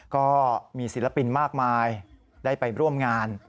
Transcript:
ก็มีศิลปินมากมายได้ไปร่วมงาน